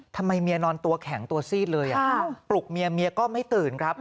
ทำไมเมียนอนตัวแข็งตัวซีดเลยปลุกเมียเมียก็ไม่ตื่นครับ